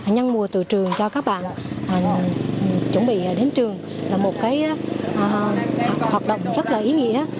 nhân mùa từ trường cho các bạn chuẩn bị đến trường là một hoạt động rất là ý nghĩa